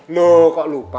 loh kok lupa